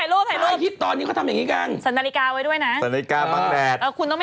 ต้องสั่นนาฬิกาสั่นนาฬิกาป้างแดด